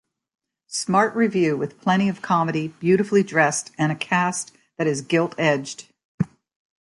Smart revue with plenty of comedy beautifully dressed and a cast that is gilt-edged.